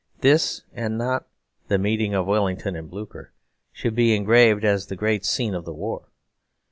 This, and not "The Meeting of Wellington and Blucher," should be engraved as the great scene of the war.